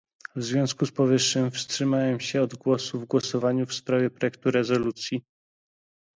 W związku z powyższym wstrzymałem się od głosu w głosowaniu w sprawie projektu rezolucji